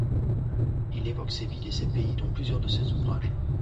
Il évoque ces villes et ces pays dans plusieurs de ses ouvrages.